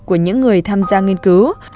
của những người tham gia nghiên cứu